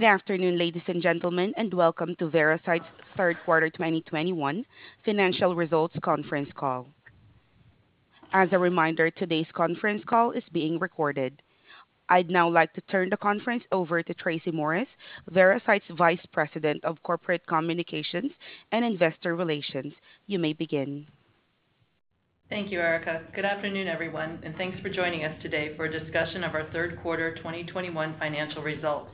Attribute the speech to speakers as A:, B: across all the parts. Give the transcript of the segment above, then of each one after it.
A: Good afternoon, ladies and gentlemen, and welcome to Veracyte's third quarter 2021 financial results conference call. As a reminder, today's conference call is being recorded. I'd now like to turn the conference over to Tracy Morris, Veracyte's Vice President of Corporate Communications and Investor Relations. You may begin.
B: Thank you, Erica. Good afternoon, everyone, and thanks for joining us today for a discussion of our third quarter 2021 financial results.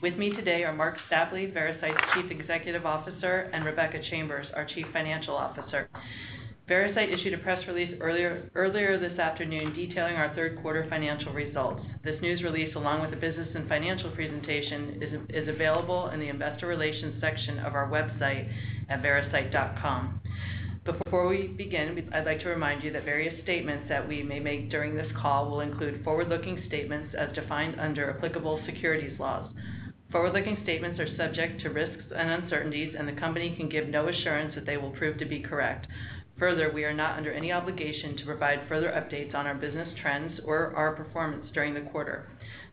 B: With me today are Marc Stapley, Veracyte's Chief Executive Officer, and Rebecca Chambers, our Chief Financial Officer. Veracyte issued a press release earlier this afternoon detailing our third quarter financial results. This news release, along with the business and financial presentation, is available in the Investor Relations section of our website at veracyte.com. Before we begin, I'd like to remind you that various statements that we may make during this call will include forward-looking statements as defined under applicable securities laws. Forward-looking statements are subject to risks and uncertainties, and the company can give no assurance that they will prove to be correct. Further, we are not under any obligation to provide further updates on our business trends or our performance during the quarter.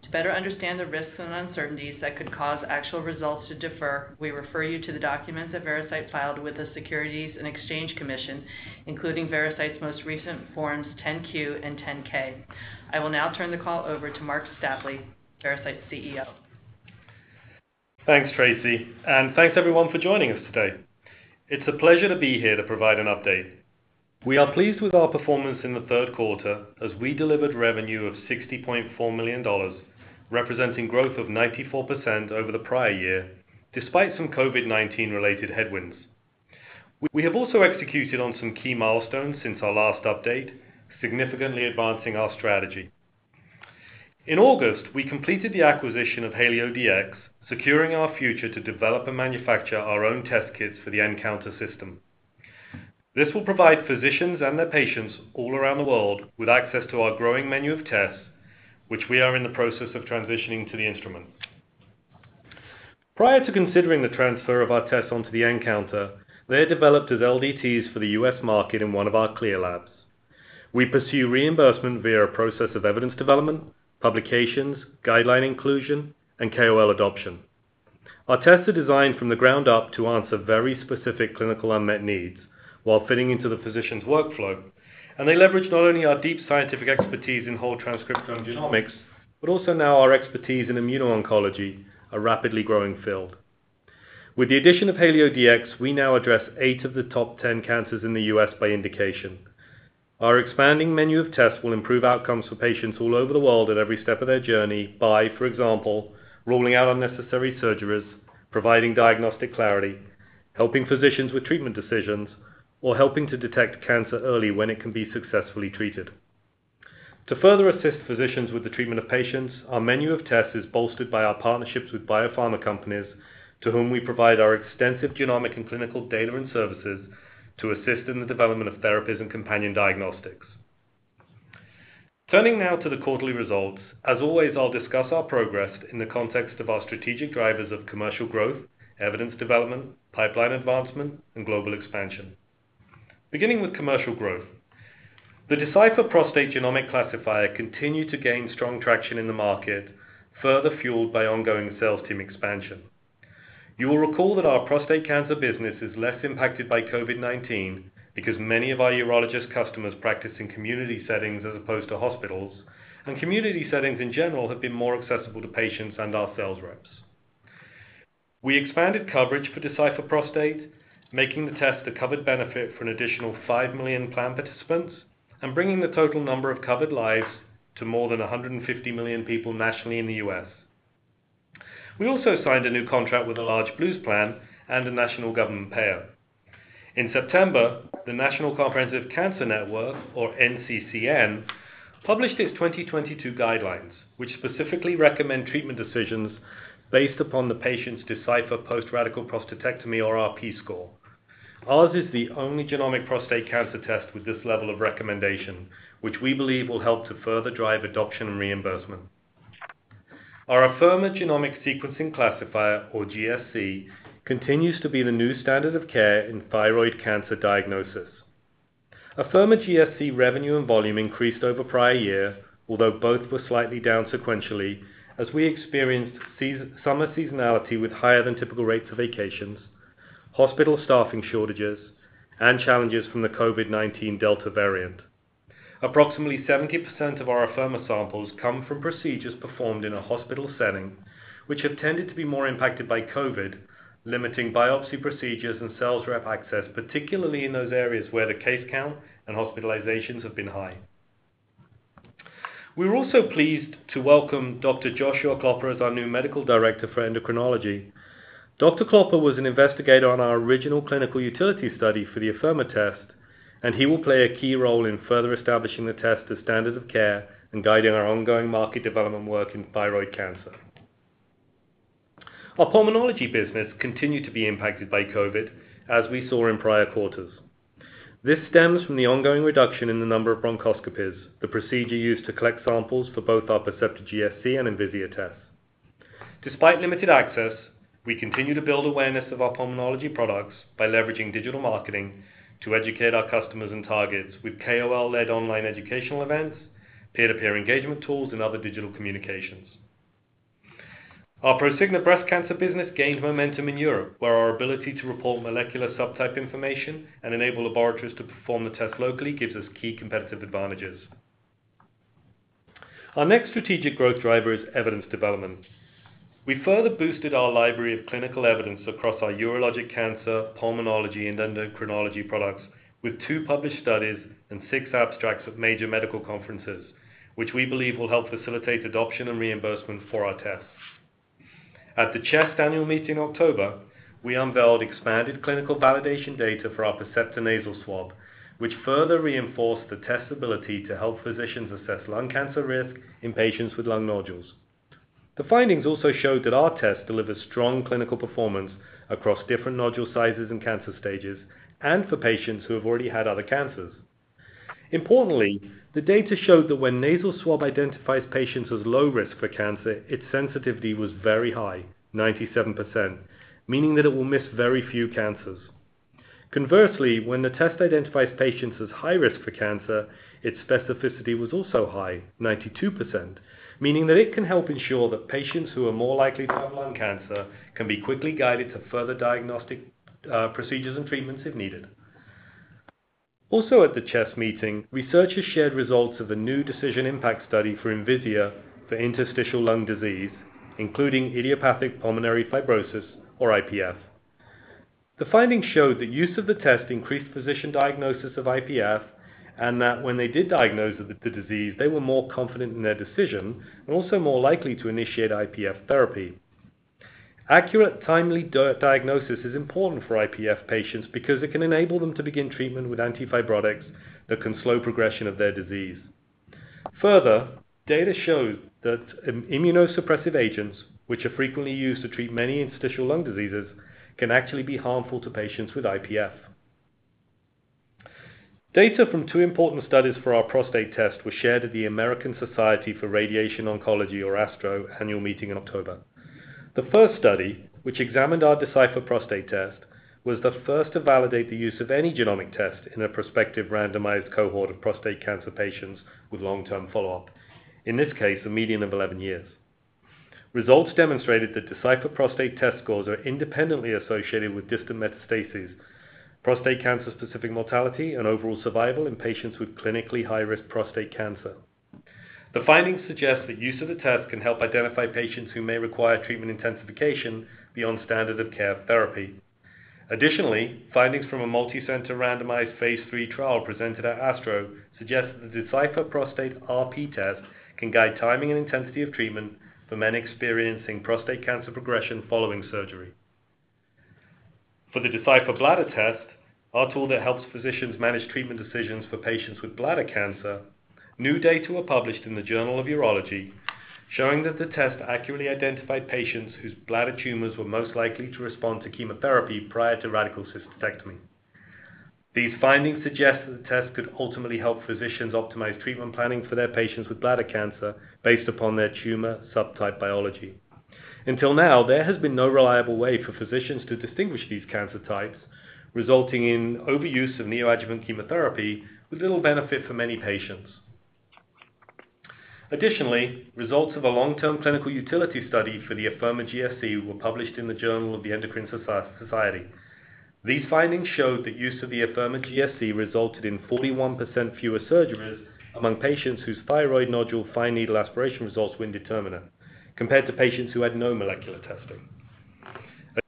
B: To better understand the risks and uncertainties that could cause actual results to differ, we refer you to the documents that Veracyte filed with the Securities and Exchange Commission, including Veracyte's most recent Forms 10-Q and 10-K. I will now turn the call over to Marc Stapley, Veracyte's CEO.
C: Thanks, Tracy, and thanks everyone for joining us today. It's a pleasure to be here to provide an update. We are pleased with our performance in the third quarter as we delivered revenue of $60.4 million, representing growth of 94% over the prior year, despite some COVID-19 related headwinds. We have also executed on some key milestones since our last update, significantly advancing our strategy. In August, we completed the acquisition of HalioDx, securing our future to develop and manufacture our own test kits for the nCounter system. This will provide physicians and their patients all around the world with access to our growing menu of tests, which we are in the process of transitioning to the instrument. Prior to considering the transfer of our tests onto the nCounter, they're developed as LDTs for the U.S. market in one of our CLIA labs. We pursue reimbursement via a process of evidence development, publications, guideline inclusion, and KOL adoption. Our tests are designed from the ground up to answer very specific clinical unmet needs while fitting into the physician's workflow, and they leverage not only our deep scientific expertise in whole transcriptome genomics, but also now our expertise in immuno-oncology, a rapidly growing field. With the addition of HalioDx, we now address eight of the top ten cancers in the U.S. by indication. Our expanding menu of tests will improve outcomes for patients all over the world at every step of their journey by, for example, ruling out unnecessary surgeries, providing diagnostic clarity, helping physicians with treatment decisions, or helping to detect cancer early when it can be successfully treated. To further assist physicians with the treatment of patients, our menu of tests is bolstered by our partnerships with biopharma companies to whom we provide our extensive genomic and clinical data and services to assist in the development of therapies and companion diagnostics. Turning now to the quarterly results. As always, I'll discuss our progress in the context of our strategic drivers of commercial growth, evidence development, pipeline advancement, and global expansion. Beginning with commercial growth. The Decipher Prostate Genomic Classifier continued to gain strong traction in the market, further fueled by ongoing sales team expansion. You will recall that our prostate cancer business is less impacted by COVID-19 because many of our urologist customers practice in community settings as opposed to hospitals, and community settings in general have been more accessible to patients and our sales reps. We expanded coverage for Decipher Prostate, making the test a covered benefit for an additional five million plan participants and bringing the total number of covered lives to more than 150 million people nationally in the U.S. We also signed a new contract with a large Blues plan and a national government payer. In September, the National Comprehensive Cancer Network, or NCCN, published its 2022 guidelines, which specifically recommend treatment decisions based upon the patient's Decipher Post Radical Prostatectomy, or RP, score. Ours is the only genomic prostate cancer test with this level of recommendation, which we believe will help to further drive adoption and reimbursement. Our Afirma Genomic Sequencing Classifier, or GSC, continues to be the new standard of care in thyroid cancer diagnosis. Afirma GSC revenue and volume increased over prior year, although both were slightly down sequentially as we experienced summer seasonality with higher than typical rates of vacations, hospital staffing shortages, and challenges from the COVID-19 Delta variant. Approximately 70% of our Afirma samples come from procedures performed in a hospital setting, which have tended to be more impacted by COVID, limiting biopsy procedures and sales rep access, particularly in those areas where the case count and hospitalizations have been high. We're also pleased to welcome Dr. Joshua Klopper as our new Medical Director for Endocrinology. Dr. Klopper was an investigator on our original clinical utility study for the Afirma test, and he will play a key role in further establishing the test as standard of care and guiding our ongoing market development work in thyroid cancer. Our pulmonology business continued to be impacted by COVID, as we saw in prior quarters. This stems from the ongoing reduction in the number of bronchoscopies, the procedure used to collect samples for both our Percepta GSC and Envisia tests. Despite limited access, we continue to build awareness of our pulmonology products by leveraging digital marketing to educate our customers and targets with KOL-led online educational events, peer-to-peer engagement tools, and other digital communications. Our Prosigna breast cancer business gained momentum in Europe, where our ability to report molecular subtype information and enable laboratories to perform the test locally gives us key competitive advantages. Our next strategic growth driver is evidence development. We further boosted our library of clinical evidence across our urologic cancer, pulmonology, and endocrinology products with two published studies and six abstracts of major medical conferences, which we believe will help facilitate adoption and reimbursement for our tests. At the CHEST Annual Meeting in October, we unveiled expanded clinical validation data for our Percepta Nasal Swab, which further reinforced the test's ability to help physicians assess lung cancer risk in patients with lung nodules. The findings also showed that our test delivers strong clinical performance across different nodule sizes and cancer stages, and for patients who have already had other cancers. Importantly, the data showed that when nasal swab identifies patients as low risk for cancer, its sensitivity was very high, 97%, meaning that it will miss very few cancers. Conversely, when the test identifies patients as high risk for cancer, its specificity was also high, 92%, meaning that it can help ensure that patients who are more likely to have lung cancer can be quickly guided to further diagnostic procedures and treatments if needed. Also, at the CHEST meeting, researchers shared results of a new decision impact study for Envisia for interstitial lung disease, including idiopathic pulmonary fibrosis or IPF. The findings showed that use of the test increased physician diagnosis of IPF and that when they did diagnose the disease, they were more confident in their decision and also more likely to initiate IPF therapy. Accurate, timely diagnosis is important for IPF patients because it can enable them to begin treatment with antifibrotics that can slow progression of their disease. Further, data shows that immunosuppressive agents, which are frequently used to treat many interstitial lung diseases, can actually be harmful to patients with IPF. Data from two important studies for our prostate test were shared at the American Society for Radiation Oncology, or ASTRO, annual meeting in October. The first study, which examined our Decipher Prostate test, was the first to validate the use of any genomic test in a prospective randomized cohort of prostate cancer patients with long-term follow-up. In this case, a median of 11 years. Results demonstrated that Decipher Prostate test scores are independently associated with distant metastases, prostate cancer-specific mortality, and overall survival in patients with clinically high-risk prostate cancer. The findings suggest that use of the test can help identify patients who may require treatment intensification beyond standard of care therapy. Additionally, findings from a multicenter randomized phase III trial presented at ASTRO suggest that the Decipher Prostate-RP test can guide timing and intensity of treatment for men experiencing prostate cancer progression following surgery. For the Decipher Bladder test, our tool that helps physicians manage treatment decisions for patients with bladder cancer, new data were published in the Journal of Urology showing that the test accurately identified patients whose bladder tumors were most likely to respond to chemotherapy prior to radical cystectomy. These findings suggest that the test could ultimately help physicians optimize treatment planning for their patients with bladder cancer based upon their tumor subtype biology. Until now, there has been no reliable way for physicians to distinguish these cancer types, resulting in overuse of neoadjuvant chemotherapy with little benefit for many patients. Additionally, results of a long-term clinical utility study for the Afirma GSC were published in the Journal of the Endocrine Society. These findings showed that use of the Afirma GSC resulted in 41% fewer surgeries among patients whose thyroid nodule fine needle aspiration results were indeterminate compared to patients who had no molecular testing.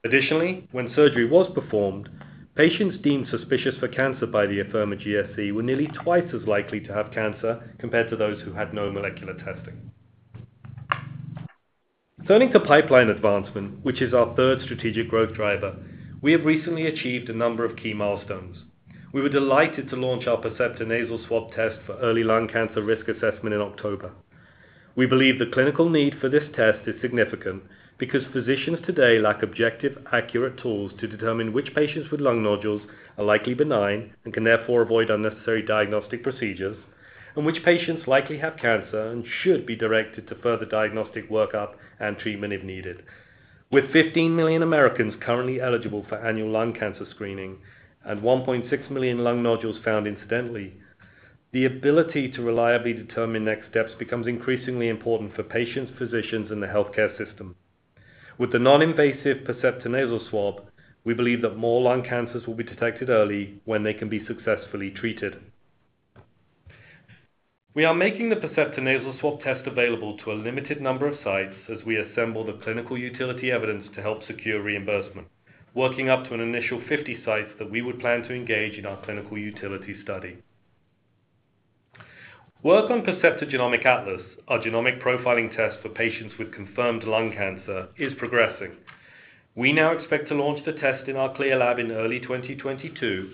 C: Additionally, when surgery was performed, patients deemed suspicious for cancer by the Afirma GSC were nearly twice as likely to have cancer compared to those who had no molecular testing. Turning to pipeline advancement, which is our third strategic growth driver, we have recently achieved a number of key milestones. We were delighted to launch our Percepta Nasal Swab test for early lung cancer risk assessment in October. We believe the clinical need for this test is significant because physicians today lack objective, accurate tools to determine which patients with lung nodules are likely benign and can therefore avoid unnecessary diagnostic procedures, and which patients likely have cancer and should be directed to further diagnostic workup and treatment if needed. With 15 million Americans currently eligible for annual lung cancer screening and 1.6 million lung nodules found incidentally, the ability to reliably determine next steps becomes increasingly important for patients, physicians, and the healthcare system. With the non-invasive Percepta Nasal Swab, we believe that more lung cancers will be detected early when they can be successfully treated. We are making the Percepta Nasal Swab test available to a limited number of sites as we assemble the clinical utility evidence to help secure reimbursement, working up to an initial 50 sites that we would plan to engage in our clinical utility study. Work on Percepta Genomic Atlas, our genomic profiling test for patients with confirmed lung cancer, is progressing. We now expect to launch the test in our CLIA lab in early 2022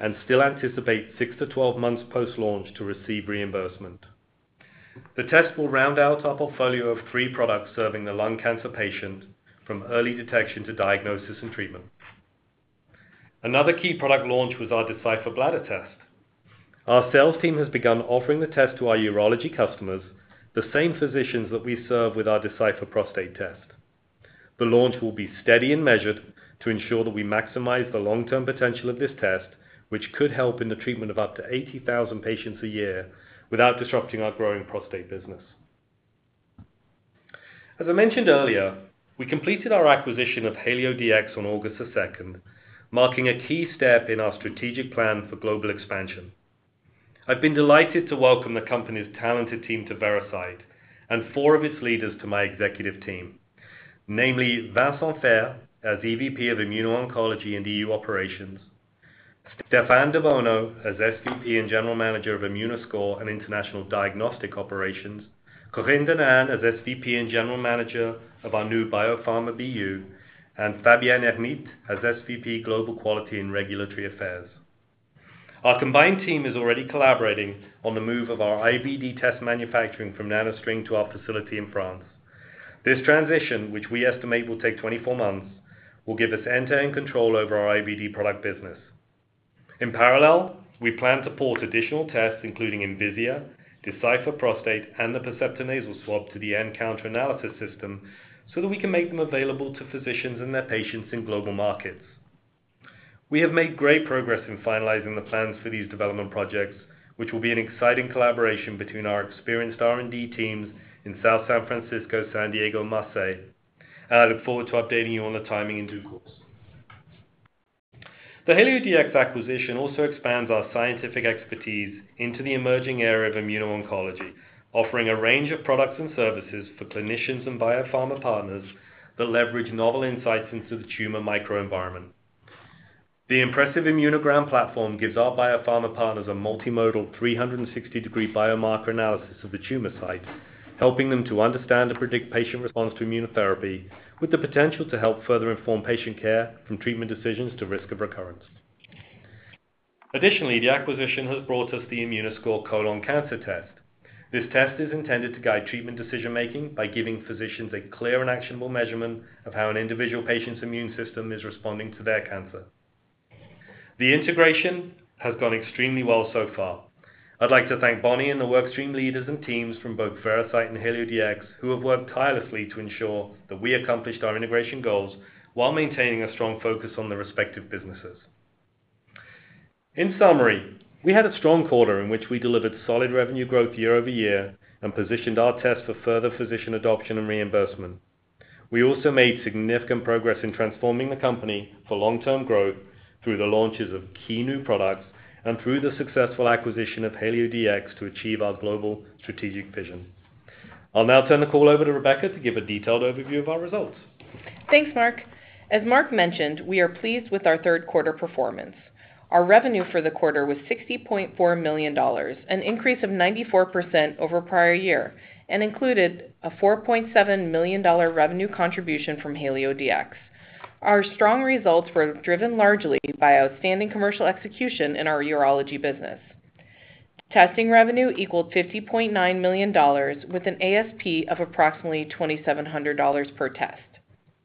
C: and still anticipate 6-12 months post-launch to receive reimbursement. The test will round out our portfolio of three products serving the lung cancer patient from early detection to diagnosis and treatment. Another key product launch was our Decipher Bladder test. Our sales team has begun offering the test to our urology customers, the same physicians that we serve with our Decipher Prostate test. The launch will be steady and measured to ensure that we maximize the long-term potential of this test, which could help in the treatment of up to 80,000 patients a year without disrupting our growing prostate business. As I mentioned earlier, we completed our acquisition of HalioDx on August 2, marking a key step in our strategic plan for global expansion. I've been delighted to welcome the company's talented team to Veracyte and four of its leaders to my executive team, namely Vincent Fert as EVP of Immuno-Oncology and EU Operations, Stéphane Debono as SVP and General Manager of Immunoscore and International Diagnostic Operations, Corinne Danan as SVP and General Manager of our new Biopharma BU, and Fabienne Hermitte as SVP Global Quality and Regulatory Affairs. Our combined team is already collaborating on the move of our IVD test manufacturing from NanoString to our facility in France. This transition, which we estimate will take 24 months, will give us end-to-end control over our IVD product business. In parallel, we plan to port additional tests, including Envisia, Decipher Prostate, and the Percepta Nasal Swab to the nCounter analysis system, so that we can make them available to physicians and their patients in global markets. We have made great progress in finalizing the plans for these development projects, which will be an exciting collaboration between our experienced R&D teams in South San Francisco, San Diego, Marseille. I look forward to updating you on the timing in due course. The HalioDx acquisition also expands our scientific expertise into the emerging area of immuno-oncology, offering a range of products and services for clinicians and biopharma partners that leverage novel insights into the tumor microenvironment. The impressive Immunogram platform gives our biopharma partners a multimodal 360-degree biomarker analysis of the tumor sites, helping them to understand and predict patient response to immunotherapy with the potential to help further inform patient care from treatment decisions to risk of recurrence. Additionally, the acquisition has brought us the Immunoscore Colon Cancer test. This test is intended to guide treatment decision-making by giving physicians a clear and actionable measurement of how an individual patient's immune system is responding to their cancer. The integration has gone extremely well so far. I'd like to thank Bonnie and the work stream leaders and teams from both Veracyte and HalioDx, who have worked tirelessly to ensure that we accomplished our integration goals while maintaining a strong focus on the respective businesses. In summary, we had a strong quarter in which we delivered solid revenue growth year-over-year and positioned our tests for further physician adoption and reimbursement. We also made significant progress in transforming the company for long-term growth through the launches of key new products and through the successful acquisition of HalioDx to achieve our global strategic vision. I'll now turn the call over to Rebecca to give a detailed overview of our results.
D: Thanks, Marc. As Marc mentioned, we are pleased with our third quarter performance. Our revenue for the quarter was $60.4 million, an increase of 94% over prior year, and included a $4.7 million revenue contribution from HalioDx. Our strong results were driven largely by outstanding commercial execution in our urology business. Testing revenue equaled $50.9 million with an ASP of approximately $2,700 per test.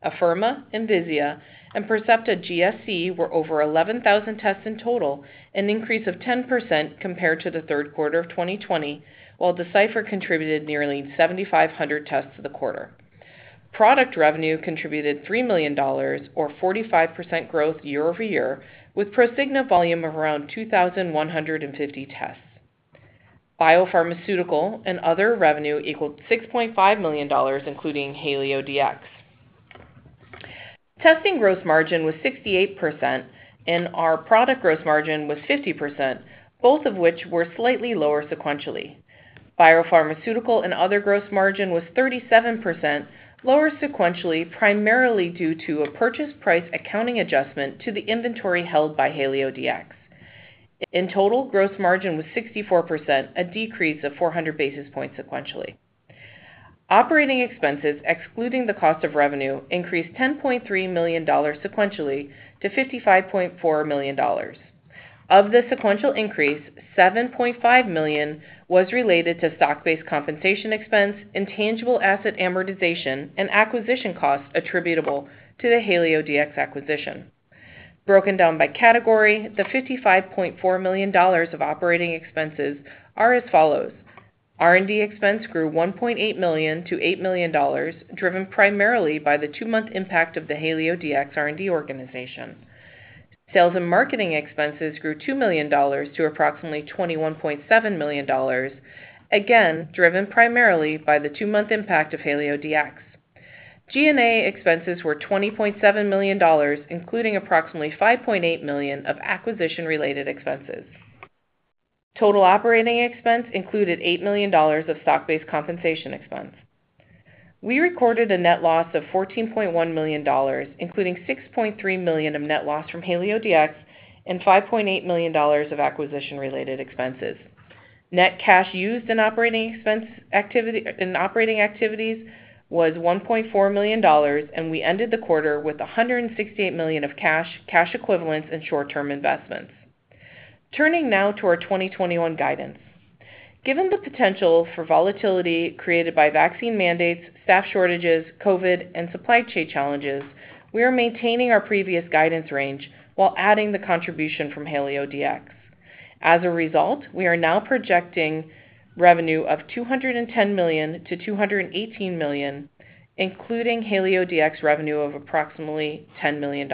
D: Afirma, Envisia, and Percepta GSC were over 11,000 tests in total, an increase of 10% compared to the third quarter of 2020, while Decipher contributed nearly 7,500 tests to the quarter. Product revenue contributed $3 million or 45% growth year-over-year with Prosigna volume of around 2,150 tests. Biopharmaceutical and other revenue equaled $6.5 million, including HalioDx. Testing gross margin was 68%, and our product gross margin was 50%, both of which were slightly lower sequentially. Biopharmaceutical and other gross margin was 37%, lower sequentially, primarily due to a purchase price accounting adjustment to the inventory held by HalioDx. In total, gross margin was 64%, a decrease of 400 basis points sequentially. Operating expenses, excluding the cost of revenue, increased $10.3 million sequentially to $55.4 million. Of the sequential increase, $7.5 million was related to stock-based compensation expense, intangible asset amortization, and acquisition costs attributable to the HalioDx acquisition. Broken down by category, the $55.4 million of operating expenses are as follows. R&D expense grew $1.8 million to $8 million, driven primarily by the two-month impact of the HalioDx R&D organization. Sales and marketing expenses grew $2 million to approximately $21.7 million, again, driven primarily by the two-month impact of HalioDx. G&A expenses were $20.7 million, including approximately $5.8 million of acquisition-related expenses. Total operating expense included $8 million of stock-based compensation expense. We recorded a net loss of $14.1 million, including $6.3 million of net loss from HalioDx and $5.8 million of acquisition-related expenses. Net cash used in operating activities was $1.4 million, and we ended the quarter with $168 million of cash equivalents, and short-term investments. Turning now to our 2021 guidance. Given the potential for volatility created by vaccine mandates, staff shortages, COVID, and supply chain challenges, we are maintaining our previous guidance range while adding the contribution from HalioDx. As a result, we are now projecting revenue of $210 million-$218 million, including HalioDx revenue of approximately $10 million.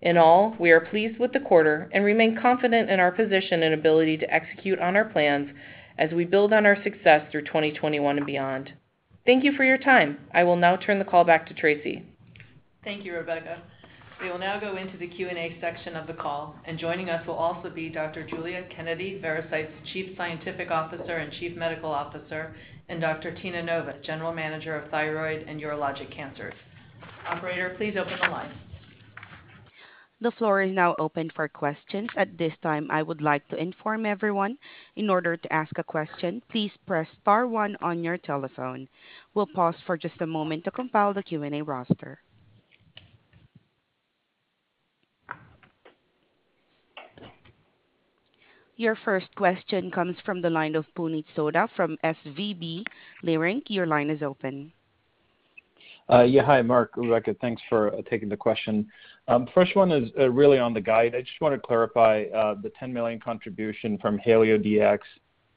D: In all, we are pleased with the quarter and remain confident in our position and ability to execute on our plans as we build on our success through 2021 and beyond. Thank you for your time. I will now turn the call back to Tracy.
B: Thank you, Rebecca. We will now go into the Q&A section of the call, and joining us will also be Dr. Giulia Kennedy, Veracyte's Chief Scientific Officer and Chief Medical Officer, and Dr. Tina Nova, General Manager of Thyroid and Urologic Cancers. Operator, please open the line.
A: The floor is now open for questions. At this time, I would like to inform everyone in order to ask a question, please press star one on your telephone. We'll pause for just a moment to compile the Q&A roster. Your first question comes from the line of Puneet Souda from SVB Leerink. Your line is open.
E: Yeah. Hi, Marc, Rebecca, thanks for taking the question. First one is really on the guide. I just wanna clarify the $10 million contribution from HalioDx.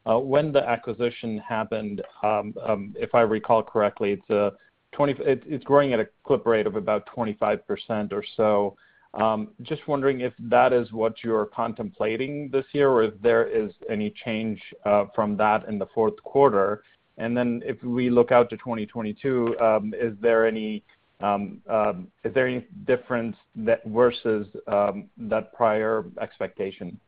E: When the acquisition happened, if I recall correctly, it's growing at a clip of about 25% or so. Just wondering if that is what you're contemplating this year or if there is any change from that in the fourth quarter. Then if we look out to 2022, is there any difference versus that prior expectation?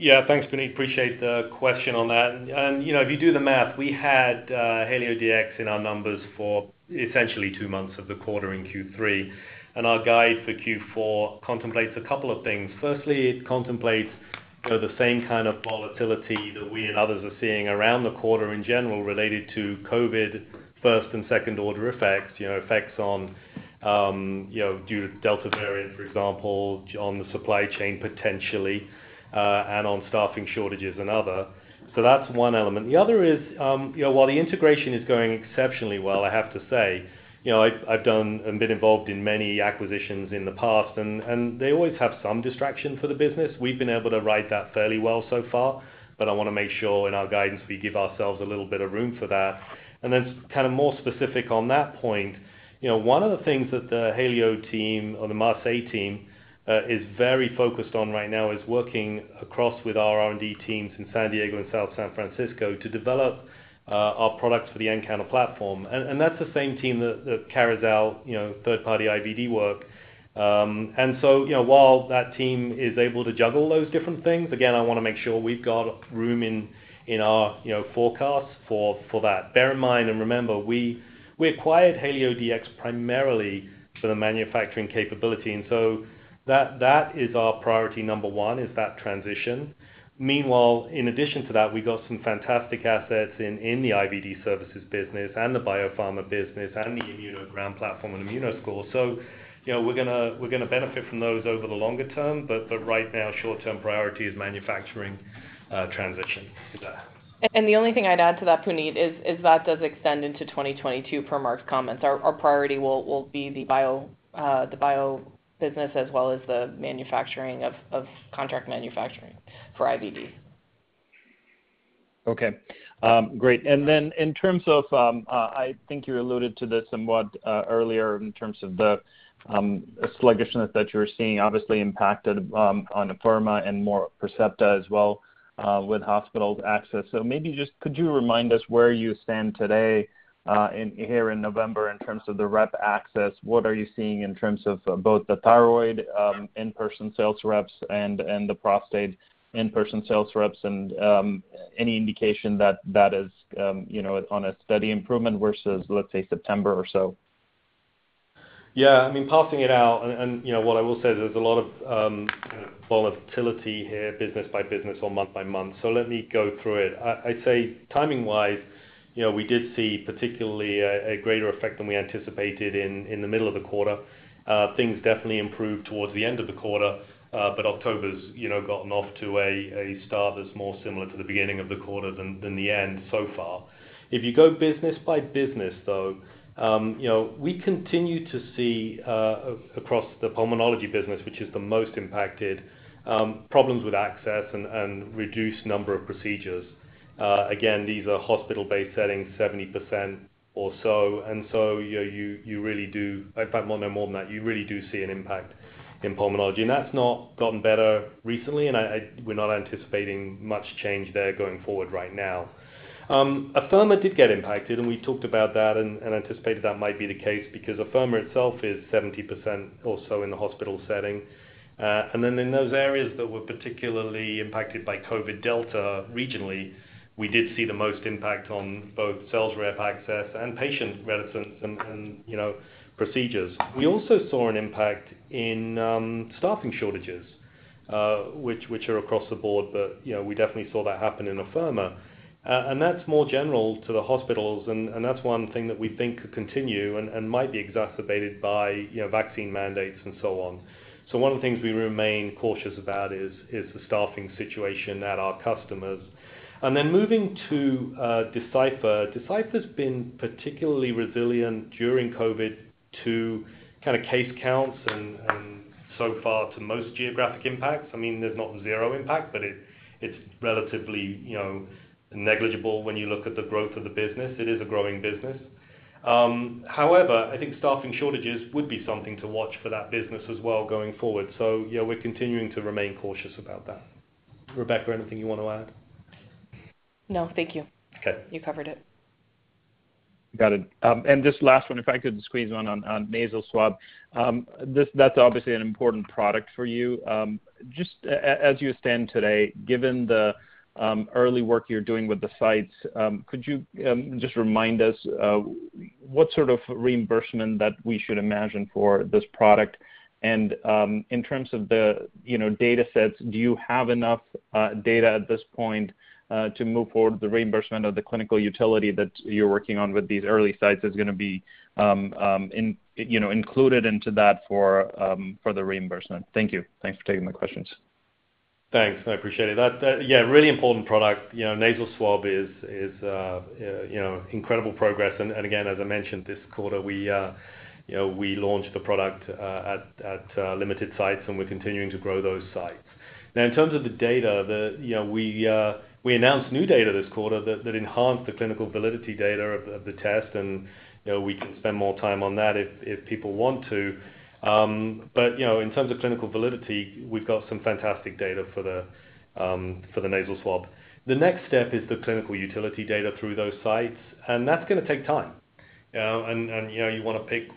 C: Yeah, thanks, Puneet. Appreciate the question on that. You know, if you do the math, we had HalioDx in our numbers for essentially two months of the quarter in Q3, and our guide for Q4 contemplates a couple of things. Firstly, it contemplates you know, the same kind of volatility that we and others are seeing around the quarter in general related to COVID first and second order effects, you know, effects on you know, due to Delta variant, for example, on the supply chain potentially and on staffing shortages and other. That's one element. The other is you know, while the integration is going exceptionally well, I have to say, you know, I've done and been involved in many acquisitions in the past and they always have some distraction for the business. We've been able to ride that fairly well so far, but I wanna make sure in our guidance we give ourselves a little bit of room for that. Then kind of more specific on that point, you know, one of the things that the Halio team or the Marseille team is very focused on right now is working across with our R&D teams in San Diego and South San Francisco to develop our products for the nCounter platform. That's the same team that carries out, you know, third-party IVD work. You know, while that team is able to juggle those different things, again, I wanna make sure we've got room in our forecasts for that. Bear in mind and remember, we acquired HalioDx primarily for the manufacturing capability, and so that is our priority number one is that transition. Meanwhile, in addition to that, we got some fantastic assets in the IVD services business and the biopharma business and the Immunogram platform and Immunoscore. You know, we're gonna benefit from those over the longer term, but right now, short-term priority is manufacturing transition to that.
D: The only thing I'd add to that, Puneet, is that does extend into 2022 per Marc's comments. Our priority will be the bio business as well as the manufacturing of contract manufacturing for IVD.
E: Okay. Great. In terms of, I think you alluded to this somewhat, earlier in terms of the sluggishness that you're seeing obviously impacted on Afirma and more Percepta as well, with hospital access. Maybe just could you remind us where you stand today, right here in November in terms of the rep access? What are you seeing in terms of both the thyroid in-person sales reps and the prostate in-person sales reps and any indication that that is, you know, on a steady improvement versus, let's say, September or so?
C: Yeah. I mean, parsing it out and you know what I will say is there's a lot of kind of volatility here business by business or month by month. Let me go through it. I'd say timing-wise, you know, we did see particularly a greater effect than we anticipated in the middle of the quarter. Things definitely improved towards the end of the quarter, but October's you know gotten off to a start that's more similar to the beginning of the quarter than the end so far. If you go business by business, though, you know, we continue to see across the pulmonology business, which is the most impacted, problems with access and reduced number of procedures. Again, these are hospital-based settings, 70% or so. You really do. In fact more than that, you really do see an impact in pulmonology. That's not gotten better recently, and we're not anticipating much change there going forward right now. Afirma did get impacted, and we talked about that and anticipated that might be the case because Afirma itself is 70% or so in the hospital setting. Then in those areas that were particularly impacted by COVID Delta regionally, we did see the most impact on both sales rep access and patient reticence and, you know, procedures. We also saw an impact in staffing shortages, which are across the board, but you know, we definitely saw that happen in Afirma. That's more general to the hospitals and that's one thing that we think could continue and might be exacerbated by, you know, vaccine mandates and so on. One of the things we remain cautious about is the staffing situation at our customers. Then moving to Decipher. Decipher's been particularly resilient during COVID to kind of case counts and so far to most geographic impacts. I mean, there's not zero impact, but it's relatively, you know, negligible when you look at the growth of the business. It is a growing business. However, I think staffing shortages would be something to watch for that business as well going forward. Yeah, we're continuing to remain cautious about that. Rebecca, anything you wanna add?
D: No, thank you.
C: Okay.
D: You covered it.
E: Got it. Just last one, if I could squeeze one on nasal swab. That's obviously an important product for you. Just as you stand today, given the early work you're doing with the sites, could you just remind us what sort of reimbursement that we should imagine for this product? In terms of the you know data sets, do you have enough data at this point to move forward with the reimbursement or the clinical utility that you're working on with these early sites is gonna be in you know included into that for the reimbursement? Thank you. Thanks for taking my questions.
C: Thanks, I appreciate it. That yeah, really important product. You know, nasal swab is incredible progress. Again, as I mentioned this quarter, you know, we launched the product at limited sites, and we're continuing to grow those sites. Now in terms of the data, you know, we announced new data this quarter that enhanced the clinical validity data of the test, and you know, we can spend more time on that if people want to. You know, in terms of clinical validity, we've got some fantastic data for the nasal swab. The next step is the clinical utility data through those sites, and that's gonna take time. We wanna pick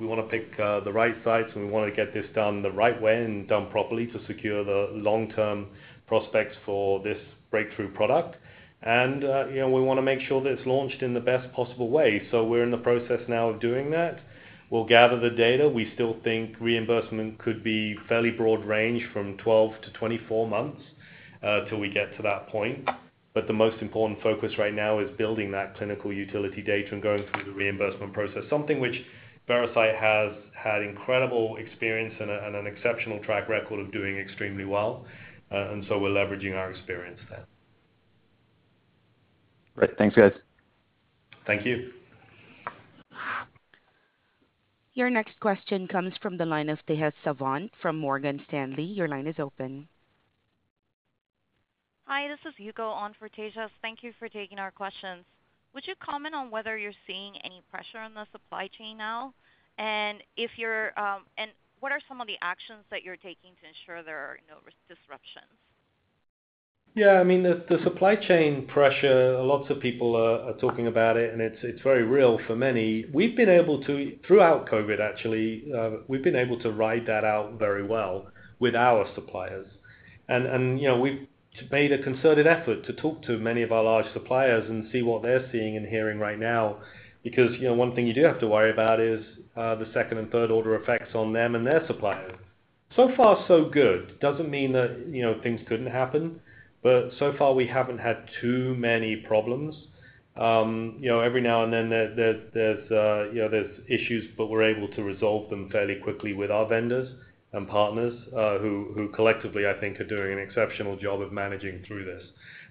C: the right sites, and we wanna get this done the right way and done properly to secure the long-term prospects for this breakthrough product. We wanna make sure that it's launched in the best possible way. We're in the process now of doing that. We'll gather the data. We still think reimbursement could be fairly broad range from 12-24 months till we get to that point. The most important focus right now is building that clinical utility data and going through the reimbursement process, something which Veracyte has had incredible experience and an exceptional track record of doing extremely well. We're leveraging our experience there.
E: Great. Thanks, guys.
C: Thank you.
A: Your next question comes from the line of Tejas Savant from Morgan Stanley. Your line is open.
F: Hi, this is Yuko on for Tejas. Thank you for taking our questions. Would you comment on whether you're seeing any pressure on the supply chain now? What are some of the actions that you're taking to ensure there are no risk disruptions?
C: Yeah. I mean, the supply chain pressure. Lots of people are talking about it, and it's very real for many. Throughout COVID actually, we've been able to ride that out very well with our suppliers. You know, we've made a concerted effort to talk to many of our large suppliers and see what they're seeing and hearing right now because you know, one thing you do have to worry about is the second and third order effects on them and their suppliers. So far so good. Doesn't mean that, you know, things couldn't happen, but so far we haven't had too many problems. You know, every now and then there's issues, but we're able to resolve them fairly quickly with our vendors and partners, who collectively I think are doing an exceptional job of managing through this.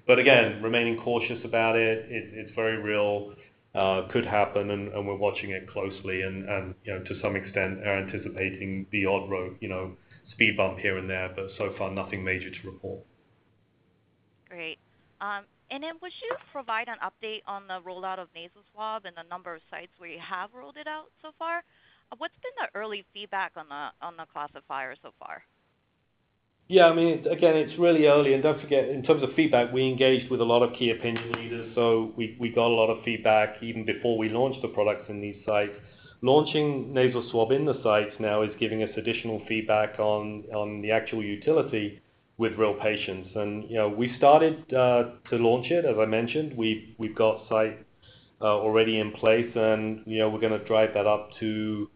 C: Again, we're remaining cautious about it. It's very real. It could happen, and we're watching it closely and, you know, to some extent are anticipating the odd road, you know, speed bump here and there, but so far nothing major to report.
F: Great. And then would you provide an update on the rollout of nasal swab and the number of sites where you have rolled it out so far? What's been the early feedback on the classifier so far?
C: Yeah. I mean, again, it's really early. Don't forget, in terms of feedback, we engaged with a lot of key opinion leaders, so we got a lot of feedback even before we launched the products in these sites. Launching nasal swab in the sites now is giving us additional feedback on the actual utility with real patients. You know, we started to launch it, as I mentioned. We've got sites already in place and, you know, we're gonna drive that up to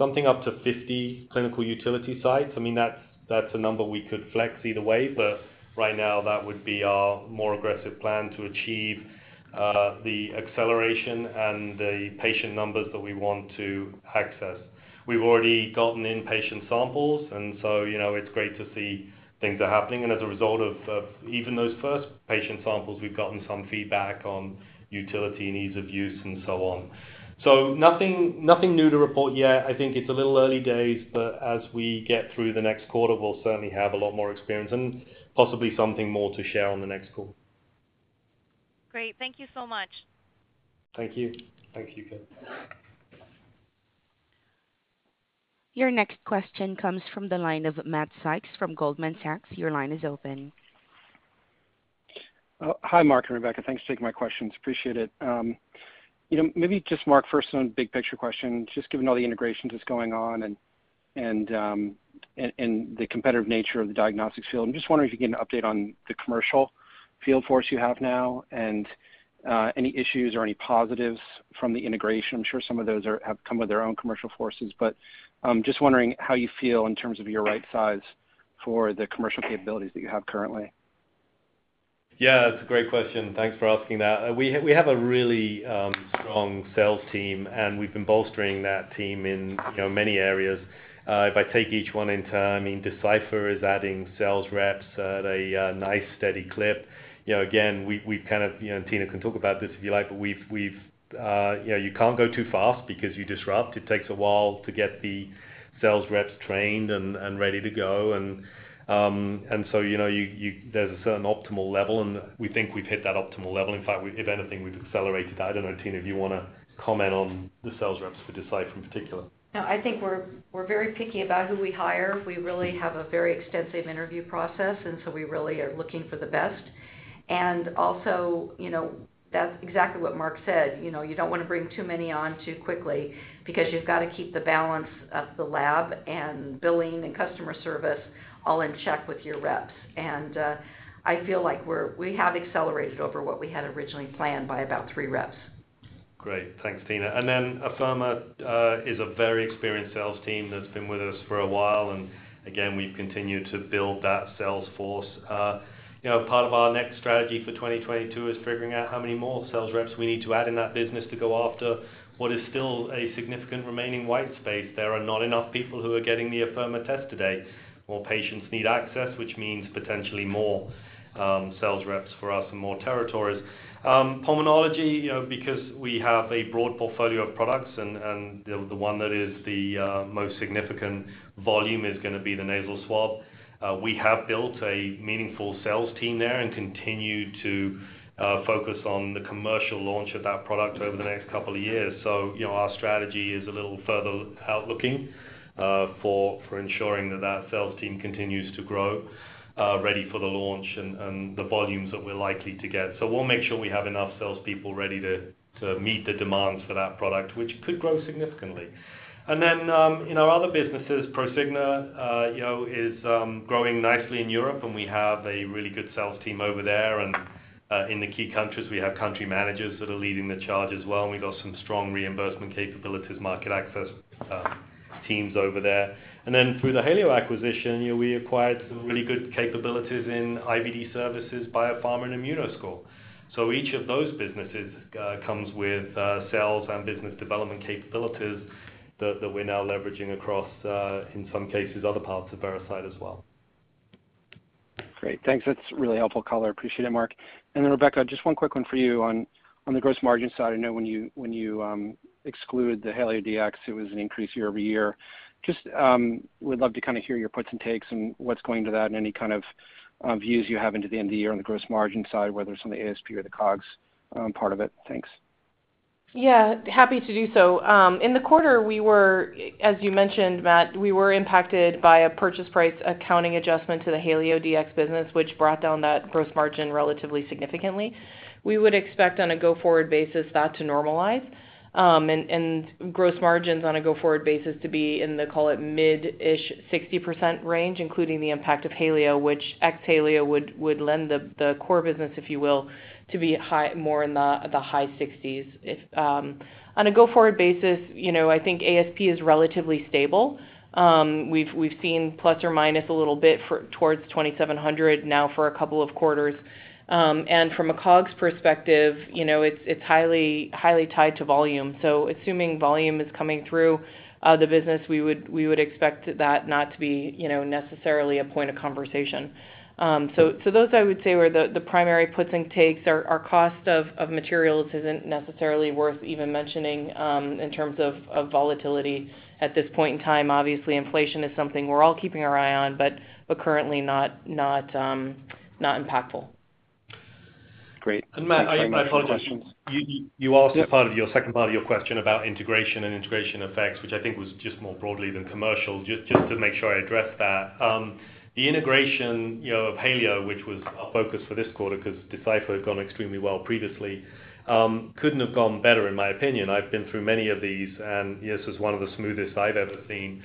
C: something up to 50 clinical utility sites. I mean, that's a number we could flex either way, but right now that would be our more aggressive plan to achieve the acceleration and the patient numbers that we want to access. We've already gotten in patient samples, and so, you know, it's great to see things are happening. As a result of even those first patient samples, we've gotten some feedback on utility and ease of use and so on. Nothing new to report yet. I think it's a little early days, but as we get through the next quarter, we'll certainly have a lot more experience and possibly something more to share on the next call.
F: Great. Thank you so much.
C: Thank you. Thanks, Yuko.
A: Your next question comes from the line of Matt Sykes from Goldman Sachs. Your line is open.
G: Hi, Marc and Rebecca. Thanks for taking my questions. Appreciate it. You know, maybe just Marc first on big picture questions. Just given all the integrations that's going on and the competitive nature of the diagnostics field, I'm just wondering if you can update on the commercial field force you have now and any issues or any positives from the integration. I'm sure some of those have come with their own commercial forces, but just wondering how you feel in terms of your right size for the commercial capabilities that you have currently.
C: Yeah, that's a great question. Thanks for asking that. We have a really strong sales team, and we've been bolstering that team in, you know, many areas. If I take each one in turn, I mean, Decipher is adding sales reps at a nice steady clip. You know, again, we've kind of, you know, Tina can talk about this if you like, but we've you know, you can't go too fast because you disrupt. It takes a while to get the sales reps trained and ready to go. You know, there's a certain optimal level, and we think we've hit that optimal level. In fact, if anything, we've accelerated that. I don't know, Tina, if you wanna comment on the sales reps for Decipher in particular.
H: No, I think we're very picky about who we hire. We really have a very extensive interview process, and so we really are looking for the best. Also, you know, that's exactly what Marc said. You know, you don't wanna bring too many on too quickly because you've gotta keep the balance of the lab and billing and customer service all in check with your reps. I feel like we have accelerated over what we had originally planned by about three reps.
C: Great. Thanks, Tina. Afirma is a very experienced sales team that's been with us for a while, and again, we've continued to build that sales force. You know, part of our next strategy for 2022 is figuring out how many more sales reps we need to add in that business to go after what is still a significant remaining white space. There are not enough people who are getting the Afirma test today. More patients need access, which means potentially more sales reps for us and more territories. Pulmonology, you know, because we have a broad portfolio of products and the one that is the most significant volume is gonna be the nasal swab. We have built a meaningful sales team there and continue to focus on the commercial launch of that product over the next couple of years. You know, our strategy is a little further outlooking for ensuring that that sales team continues to grow ready for the launch and the volumes that we're likely to get. We'll make sure we have enough salespeople ready to meet the demands for that product, which could grow significantly. In our other businesses, Prosigna you know is growing nicely in Europe, and we have a really good sales team over there. In the key countries, we have country managers that are leading the charge as well, and we've got some strong reimbursement capabilities, market access teams over there. Through the Halio acquisition, you know, we acquired some really good capabilities in IVD services, Biopharma and Immunoscore. Each of those businesses comes with sales and business development capabilities that we're now leveraging across, in some cases, other parts of Veracyte as well.
G: Great. Thanks. That's really helpful color. Appreciate it, Marc. Rebecca, just one quick one for you on the gross margin side. I know when you exclude the HalioDx, it was an increase year-over-year. Just would love to kind of hear your puts and takes and what's going into that and any kind of views you have into the end of the year on the gross margin side, whether it's on the ASP or the COGS part of it. Thanks.
D: Yeah. Happy to do so. In the quarter, as you mentioned, Matt, we were impacted by a purchase price accounting adjustment to the HalioDx business, which brought down that gross margin relatively significantly. We would expect on a go-forward basis that to normalize, and gross margins on a go-forward basis to be in the, call it, mid-ish 60% range, including the impact of Halio, which ex Halio would lend the core business, if you will, to be more in the high 60s. On a go-forward basis, you know, I think ASP is relatively stable. We've seen plus or minus a little bit towards $2,700 now for a couple of quarters. From a COGS perspective, you know, it's highly tied to volume. Assuming volume is coming through, the business, we would expect that not to be, you know, necessarily a point of conversation. Those I would say were the primary puts and takes. Our cost of materials isn't necessarily worth even mentioning, in terms of volatility at this point in time. Obviously, inflation is something we're all keeping our eye on, but currently not impactful.
G: Great.
C: Matt, I apologize.
G: Thanks very much for the questions.
C: You asked as part of your second part of your question about integration and integration effects, which I think was just more broadly than commercial. Just to make sure I address that. The integration, you know, of Halio, which was our focus for this quarter because Decipher had gone extremely well previously, couldn't have gone better in my opinion. I've been through many of these, and this is one of the smoothest I've ever seen.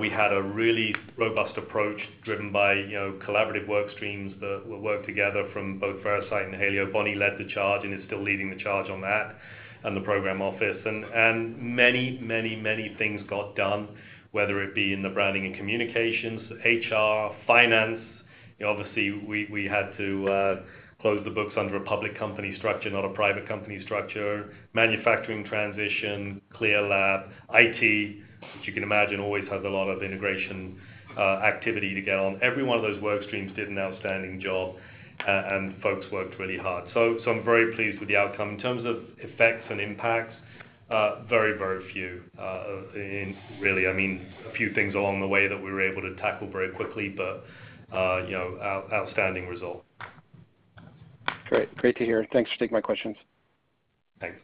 C: We had a really robust approach driven by, you know, collaborative work streams that were worked together from both Veracyte and Halio. Bonnie led the charge and is still leading the charge on that and the program office. Many things got done, whether it be in the branding and communications, HR, finance. You know, obviously, we had to close the books under a public company structure, not a private company structure. Manufacturing transition, CLIA lab, IT, which you can imagine always has a lot of integration activity to get on. Every one of those work streams did an outstanding job, and folks worked really hard. I'm very pleased with the outcome. In terms of effects and impacts, very, very few, in really, I mean, a few things along the way that we were able to tackle very quickly, but you know, outstanding result.
G: Great. Great to hear. Thanks for taking my questions.
C: Thanks.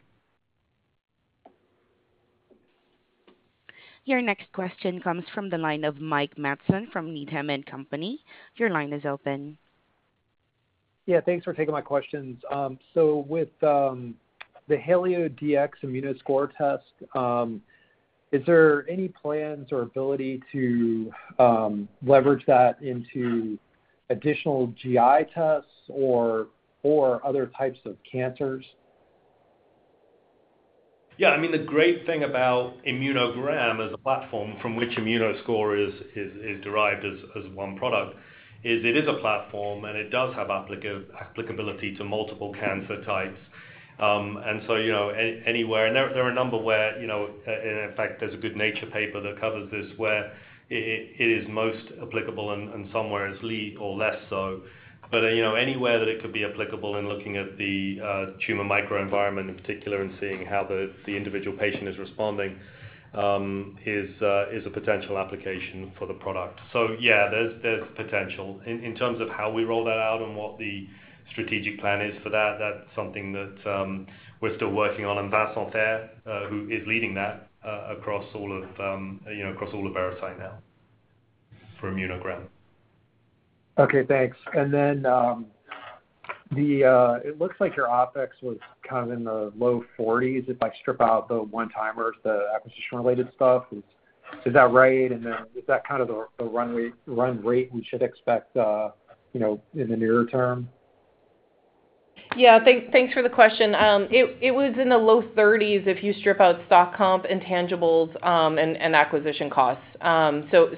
A: Your next question comes from the line of Mike Matson from Needham & Company. Your line is open.
I: Yeah, thanks for taking my questions. With the HalioDx Immunoscore test, is there any plans or ability to leverage that into additional GI tests or other types of cancers?
C: I mean, the great thing about Immunogram as a platform from which Immunoscore is derived as one product is it is a platform, and it does have applicability to multiple cancer types. You know, anywhere. There are a number where, you know, and in fact, there's a good Nature paper that covers this, where it is most applicable and somewhere it's less so. You know, anywhere that it could be applicable in looking at the tumor microenvironment in particular and seeing how the individual patient is responding is a potential application for the product. Yeah, there's potential. In terms of how we roll that out and what the strategic plan is for that's something that we're still working on. Vincent Fert, who is leading that, you know, across all of Veracyte now for Immunogram.
I: Okay, thanks. It looks like your OpEx was kind of in the low forties if I strip out the one-timers, the acquisition-related stuff. Is that right? Is that kind of the run rate we should expect, you know, in the nearer term?
D: Yeah. Thanks for the question. It was in the low thirties if you strip out stock comp, intangibles, and acquisition costs. So,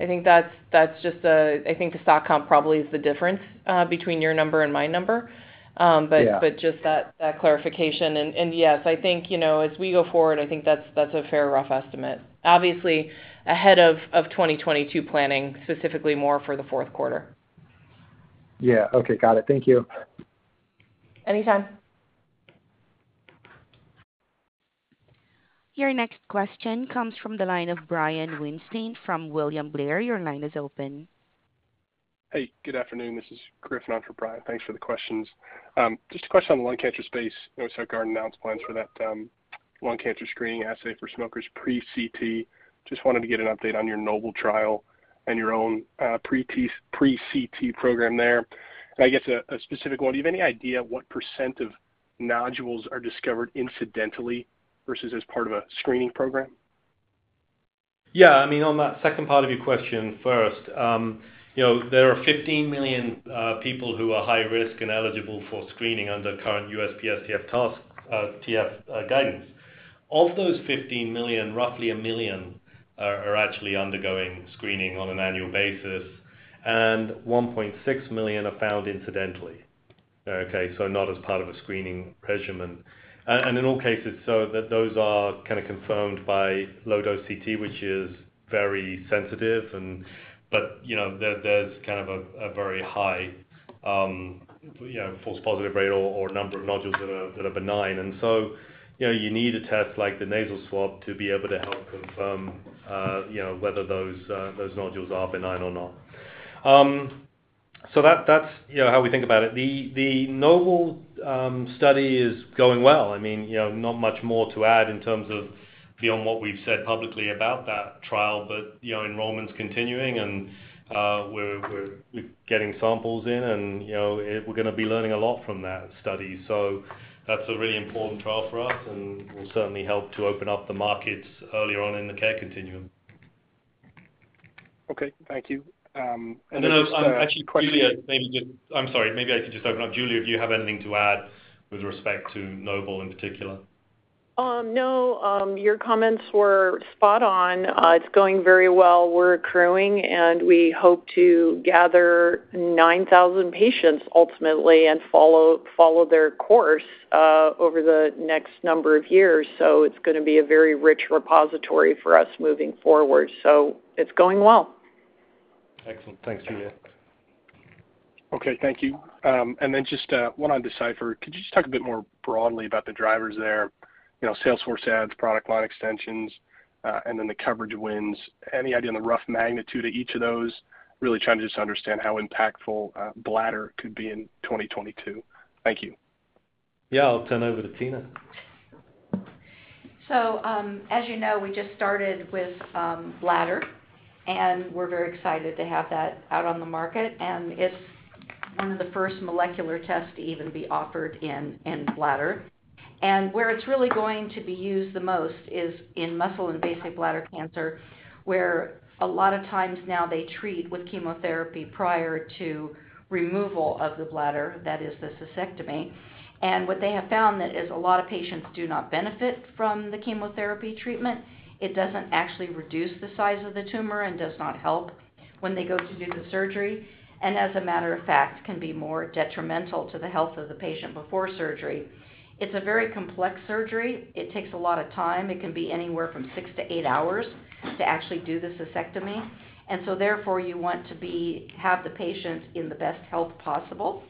D: I think the stock comp probably is the difference between your number and my number. But-
I: Yeah.
D: Just that clarification. Yes, I think, you know, as we go forward, I think that's a fair rough estimate. Obviously, ahead of 2022 planning, specifically more for the fourth quarter.
I: Yeah. Okay. Got it. Thank you.
D: Anytime.
A: Your next question comes from the line of Brian Weinstein from William Blair. Your line is open.
J: Hey, good afternoon. This is Griffin on for Brian. Thanks for the questions. Just a question on the lung cancer space. I saw Guardant announce plans for that lung cancer screening assay for smokers pre-CT. Just wanted to get an update on your NOBLE trial and your own pre-CT program there. I guess a specific one, do you have any idea what % of nodules are discovered incidentally versus as part of a screening program?
C: Yeah. I mean, on that second part of your question first, you know, there are 15 million people who are high risk and eligible for screening under current USPSTF task force guidance. Of those 15 million, roughly one million are actually undergoing screening on an annual basis, and 1.6 million are found incidentally. Okay. So not as part of a screening regimen. In all cases, those are kind of confirmed by low-dose CT, which is very sensitive. But you know, there's kind of a very high false positive rate or number of nodules that are benign. You know, you need a test like the nasal swab to be able to help confirm whether those nodules are benign or not. That's you know, how we think about it. The NOBLE study is going well. I mean, you know, not much more to add in terms of beyond what we've said publicly about that trial. You know, enrollment's continuing and we're getting samples in and, you know, we're gonna be learning a lot from that study. That's a really important trial for us and will certainly help to open up the markets earlier on in the care continuum.
J: Okay. Thank you.
C: No, no. Actually, Giulia, I'm sorry, maybe I could just open up. Giulia, do you have anything to add with respect to NOBLE in particular?
K: No, your comments were spot on. It's going very well. We're accruing, and we hope to gather 9,000 patients ultimately and follow their course over the next number of years. It's gonna be a very rich repository for us moving forward. It's going well.
C: Excellent. Thanks, Giulia.
J: Okay. Thank you. Just one on Decipher. Could you just talk a bit more broadly about the drivers there? You know, sales force adds, product line extensions, and then the coverage wins. Any idea on the rough magnitude of each of those? Really trying to just understand how impactful Bladder could be in 2022. Thank you.
C: Yeah. I'll turn over to Tina.
H: As you know, we just started with bladder, and we're very excited to have that out on the market. It's one of the first molecular tests to even be offered in bladder. Where it's really going to be used the most is in muscle invasive bladder cancer, where a lot of times now they treat with chemotherapy prior to removal of the bladder, that is the cystectomy. What they have found is that a lot of patients do not benefit from the chemotherapy treatment. It doesn't actually reduce the size of the tumor and does not help when they go to do the surgery, and as a matter of fact, can be more detrimental to the health of the patient before surgery. It's a very complex surgery. It takes a lot of time. It can be anywhere from 6-8 hours to actually do the cystectomy. Therefore, you want to have the patient in the best health possible.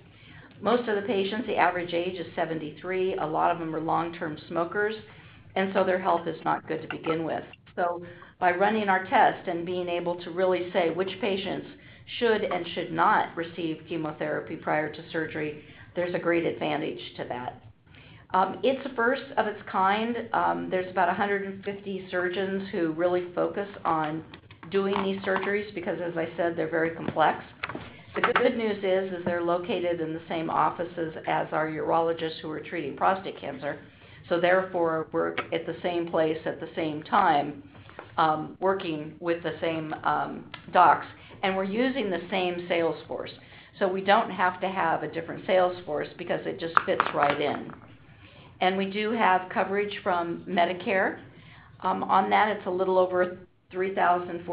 H: Most of the patients, the average age is 73. A lot of them are long-term smokers, and so their health is not good to begin with. By running our test and being able to really say which patients should and should not receive chemotherapy prior to surgery, there's a great advantage to that. It's the first of its kind. There's about 150 surgeons who really focus on doing these surgeries because, as I said, they're very complex. The good news is they're located in the same offices as our urologists who are treating prostate cancer, so therefore we're at the same place at the same time, working with the same docs, and we're using the same sales force. We don't have to have a different sales force because it just fits right in. We do have coverage from Medicare. On that, it's a little over $3,400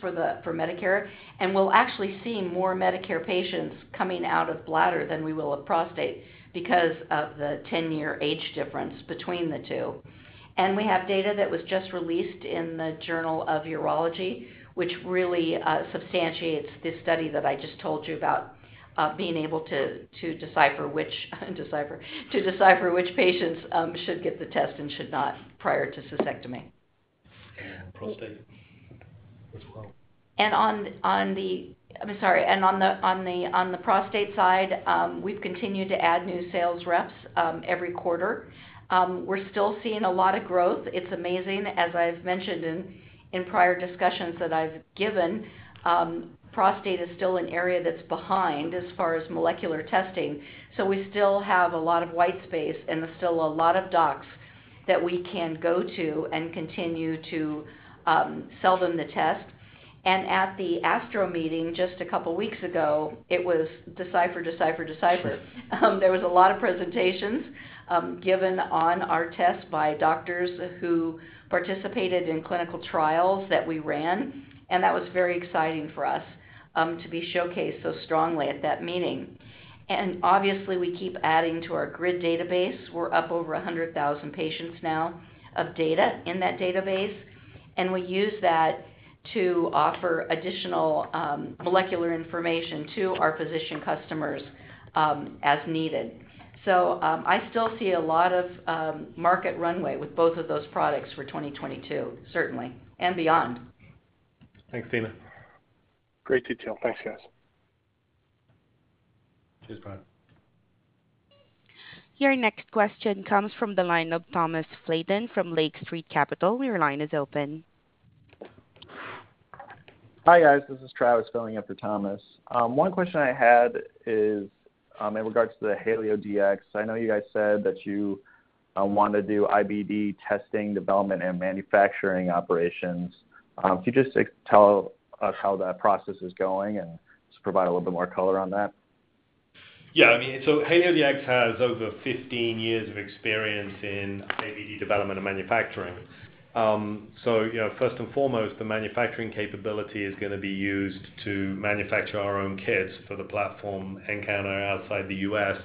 H: for Medicare, and we're actually seeing more Medicare patients coming out of bladder than we will of prostate because of the 10-year age difference between the two. We have data that was just released in The Journal of Urology, which really substantiates this study that I just told you about, of being able to Decipher which patients should get the test and should not prior to cystectomy.
C: Prostate as well.
H: On the prostate side, we've continued to add new sales reps every quarter. We're still seeing a lot of growth. It's amazing as I've mentioned in prior discussions that I've given, prostate is still an area that's behind as far as molecular testing, so we still have a lot of white space and there's still a lot of docs that we can go to and continue to sell them the test. At the ASTRO meeting just a couple weeks ago, it was Decipher, Decipher. There was a lot of presentations given on our test by doctors who participated in clinical trials that we ran, and that was very exciting for us to be showcased so strongly at that meeting. Obviously we keep adding to our GRID database. We're up over 100,000 patients now of data in that database, and we use that to offer additional molecular information to our physician customers as needed. I still see a lot of market runway with both of those products for 2022, certainly, and beyond.
C: Thanks, Tina.
J: Great detail. Thanks, guys.
C: Cheers, Brian.
A: Your next question comes from the line of Thomas Flaten from Lake Street Capital Markets. Your line is open.
L: Hi, guys. This is Travis filling in for Thomas. One question I had is in regards to the HalioDx. I know you guys said that you wanna do IVD testing, development, and manufacturing operations. Could you just tell us how that process is going and just provide a little bit more color on that?
C: I mean, HalioDx has over 15 years of experience in IVD development and manufacturing. You know, first and foremost, the manufacturing capability is gonna be used to manufacture our own kits for the platform nCounter outside the U.S.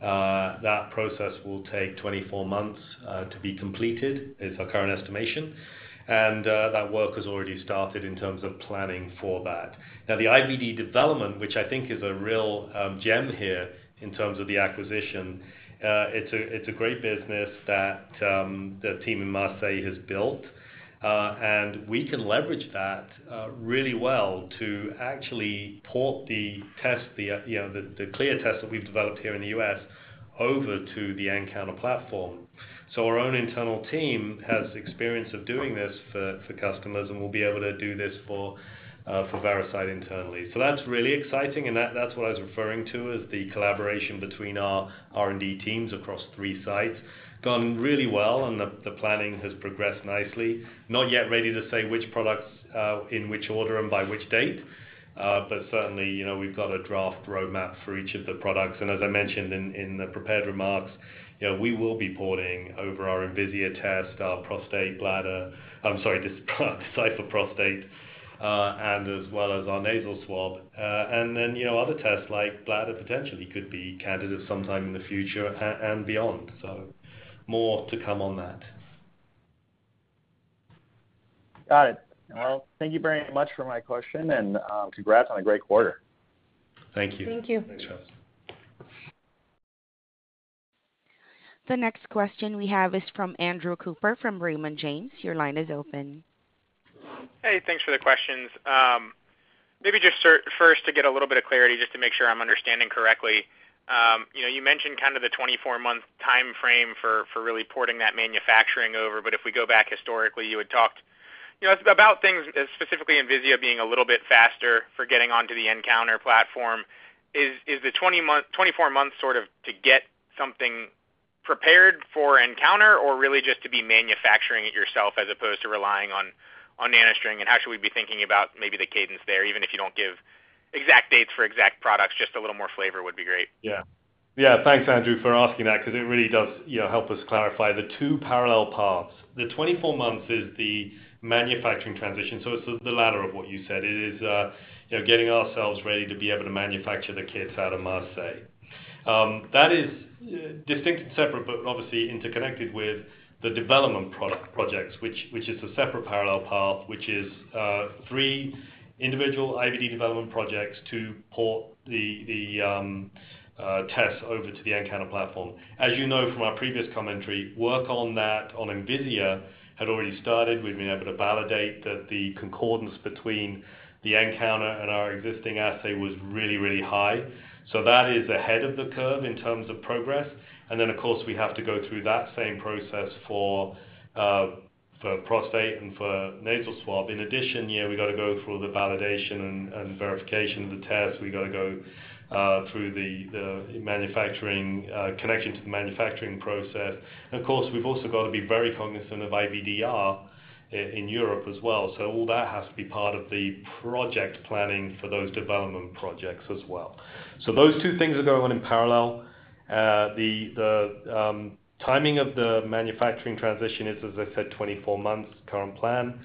C: That process will take 24 months to be completed, is our current estimation. That work has already started in terms of planning for that. Now, the IVD development, which I think is a real gem here in terms of the acquisition, it's a great business that the team in Marseille has built. We can leverage that really well to actually port the test, the CLIA test that we've developed here in the U.S. over to the nCounter platform. Our own internal team has experience of doing this for customers, and we'll be able to do this for Veracyte internally. That's really exciting, and that's what I was referring to is the collaboration between our R&D teams across three sites has gone really well, and the planning has progressed nicely. Not yet ready to say which products in which order and by which date, but certainly we've got a draft roadmap for each of the products. As I mentioned in the prepared remarks, we will be porting over our Envisia test, our prostate, bladder... I'm sorry, Decipher Prostate, and as well as our nasal swab. And then other tests like bladder potentially could be candidates sometime in the future and beyond. More to come on that.
L: Got it. Well, thank you very much for my question, and, congrats on a great quarter.
C: Thank you.
H: Thank you.
C: Thanks, Travis.
A: The next question we have is from Andrew Cooper from Raymond James. Your line is open.
M: Hey, thanks for the questions. Maybe just first to get a little bit of clarity just to make sure I'm understanding correctly, you know, you mentioned kind of the 24-month timeframe for really porting that manufacturing over, but if we go back historically, you had talked, you know, about things specifically Envisia being a little bit faster for getting onto the nCounter platform. Is the 20-month, 24 months sort of to get something prepared for nCounter or really just to be manufacturing it yourself as opposed to relying on NanoString? And how should we be thinking about maybe the cadence there, even if you don't give exact dates for exact products, just a little more flavor would be great.
C: Yeah. Yeah. Thanks, Andrew, for asking that because it really does, you know, help us clarify the two parallel paths. The 24 months is the manufacturing transition, so it's the latter of what you said. It is, you know, getting ourselves ready to be able to manufacture the kits out of Marseille. That is distinct and separate, but obviously interconnected with the development product projects, which is a separate parallel path, which is three individual IVD development projects to port the tests over to the nCounter platform. As you know from our previous commentary, work on that, on Envisia, had already started. We've been able to validate that the concordance between the nCounter and our existing assay was really, really high. So that is ahead of the curve in terms of progress. Of course, we have to go through that same process for prostate and for nasal swab. In addition, we've got to go through the validation and verification of the tests. We've got to go through the manufacturing connection to the manufacturing process. Of course, we've also got to be very cognizant of IVDR in Europe as well. All that has to be part of the project planning for those development projects as well. Those two things are going on in parallel. The timing of the manufacturing transition is, as I said, 24 months current plan.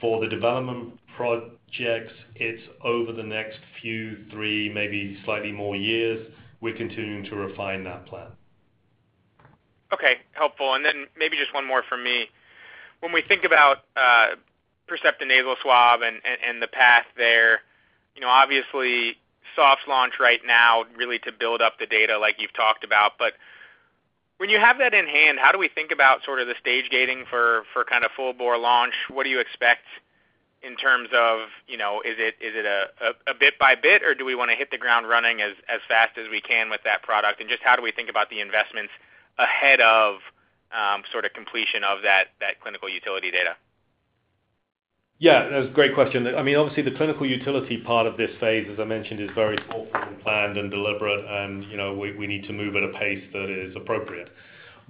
C: For the development projects, it's over the next few, three, maybe slightly more years. We're continuing to refine that plan.
M: Okay. Helpful. Maybe just one more from me. When we think about Percepta Nasal Swab and the path there, you know, obviously soft launch right now really to build up the data like you've talked about. When you have that in hand, how do we think about sort of the stage gating for kind of full bore launch? What do you expect in terms of, you know, is it a bit by bit, or do we wanna hit the ground running as fast as we can with that product? And just how do we think about the investments ahead of sort of completion of that clinical utility data?
C: Yeah, that's a great question. I mean, obviously the clinical utility part of this phase, as I mentioned, is very thoughtful and planned and deliberate and, you know, we need to move at a pace that is appropriate.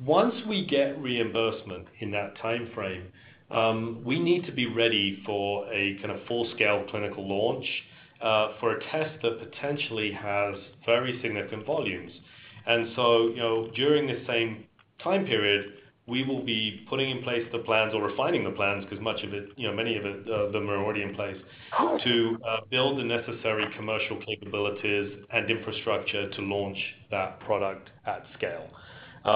C: Once we get reimbursement in that timeframe, we need to be ready for a kind of full-scale clinical launch, for a test that potentially has very significant volumes. You know, during the same time period, we will be putting in place the plans or refining the plans because much of it, you know, many of them are already in place, to build the necessary commercial capabilities and infrastructure to launch that product at scale. You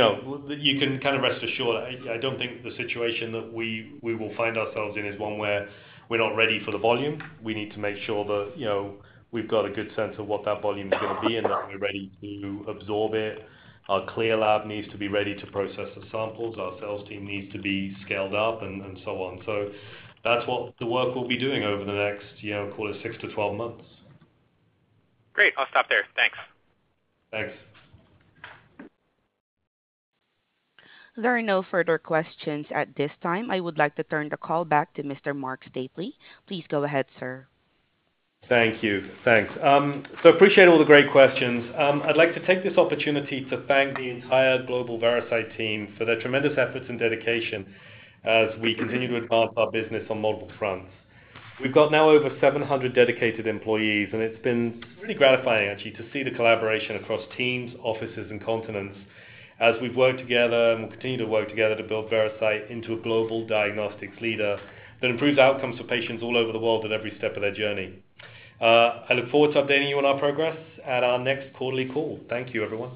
C: know, you can kind of rest assured, I don't think the situation that we will find ourselves in is one where we're not ready for the volume. We need to make sure that, you know, we've got a good sense of what that volume is gonna be and that we're ready to absorb it. Our CLIA lab needs to be ready to process the samples, our sales team needs to be scaled up and so on. That's what the work we'll be doing over the next, you know, call it 6-12 months.
M: Great. I'll stop there. Thanks.
C: Thanks.
A: There are no further questions at this time. I would like to turn the call back to Mr. Marc Stapley. Please go ahead, sir.
C: Thank you. Thanks. I appreciate all the great questions. I'd like to take this opportunity to thank the entire global Veracyte team for their tremendous efforts and dedication as we continue to advance our business on multiple fronts. We've got now over 700 dedicated employees, and it's been really gratifying actually to see the collaboration across teams, offices and continents as we've worked together, and we'll continue to work together to build Veracyte into a global diagnostics leader that improves outcomes for patients all over the world at every step of their journey. I look forward to updating you on our progress at our next quarterly call. Thank you everyone.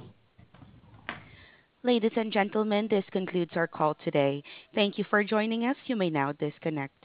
A: Ladies and gentlemen, this concludes our call today. Thank you for joining us. You may now disconnect.